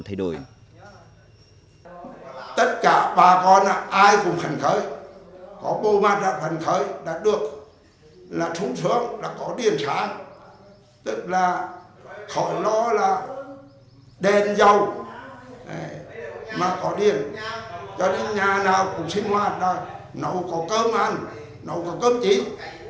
tất cả bà con ai cũng hành khởi có bộ mặt hành khởi đã được là trúng sướng là có điện sáng tức là khỏi lo là đèn dầu mà có điện cho đến nhà nào cũng sinh hoạt nấu có cơm ăn nấu có cơm chín